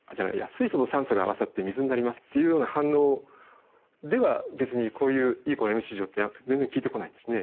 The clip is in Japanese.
水素と酸素が合わさって水になりますっていうような反応では別にこういうＥ＝ｍｃって全然利いてこないんですね。